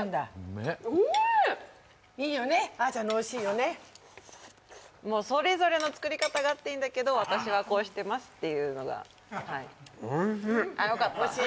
おいしいいいよねあーちゃんのおいしいよねそれぞれの作り方があっていいんだけど私はこうしてますっていうのがあっよかったおいしい？